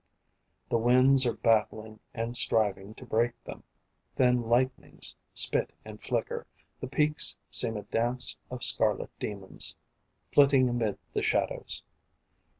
The winds are battling and striving to break them: Thin lightnings spit and flicker, The peaks seem a dance of scarlet demons Flitting amid the shadows.